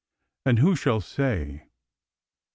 AND WHO SHALL SAY ?